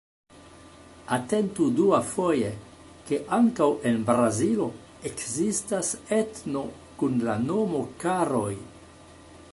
Atentu duafoje, ke ankaŭ en Brazilo ekzistas etno kun la nomo "Karoj".